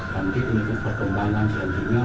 nanti penyidik perkembangan jadinya